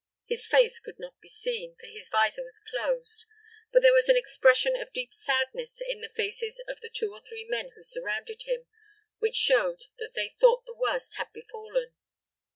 His face could not be seen, for his visor was closed, but there was an expression of deep sadness on the faces of the two or three men who surrounded him, which showed that they thought the worst had befallen.